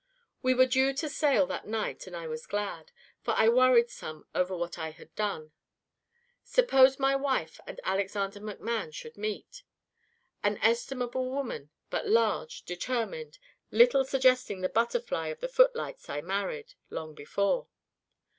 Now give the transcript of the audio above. "We were due to sail that night, and I was glad. For I worried some over what I had done. Suppose my wife and Alexander McMann should meet. An estimable woman, but large, determined, little suggesting the butterfly of the footlights I married, long before.